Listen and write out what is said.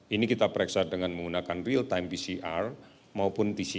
ini kita pereksa dengan menggunakan real time pcr maupun tc